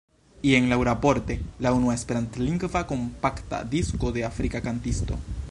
Jen laŭraporte la unua Esperantlingva kompakta disko de afrika kantisto.